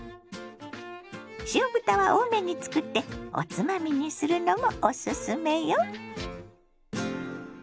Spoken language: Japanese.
塩豚は多めに作っておつまみにするのもおすすめよ。